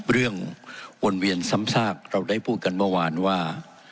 วนเวียนซ้ำซากเราได้พูดกันเมื่อวานว่า